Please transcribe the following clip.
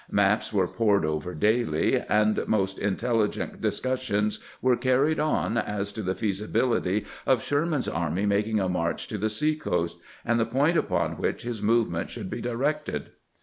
Maps were pored over daily, and most intelligent discussions were carried on as to the feasibility of Sherman's army mak ing a march to the sea coast, and the point upon which his movement should be directed.